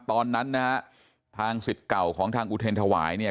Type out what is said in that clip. ตอนนั้นนะฮะทางสิทธิ์เก่าของทางอุเทรนธวายเนี่ย